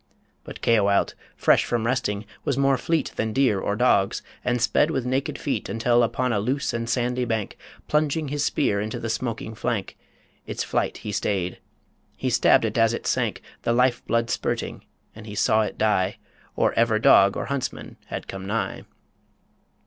But Caoilte, fresh from resting, was more fleet Than deer or dogs, and sped with naked feet, Until upon a loose and sandy bank, Plunging his spear into the smoking flank, Its flight he stayed.... He stabbed it as it sank, The life blood spurting; and he saw it die Or ever dog or huntsman had come nigh.